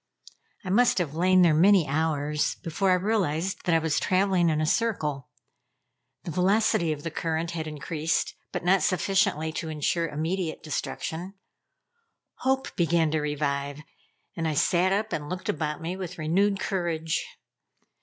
I must have lain there many hours before I realized that I was traveling in a circle. The velocity of the current had increased, but not sufficiently to insure immediately destruction. Hope began to revive, and I sat up and looked about me with renewed courage.